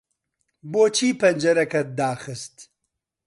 بۆچی پەنجەرەکەت داخست؟